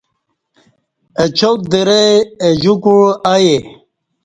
اچاک درئ اہ جُوکوع ائے